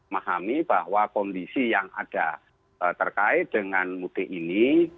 pahami bahwa kondisi yang ada terkait dengan mudik ini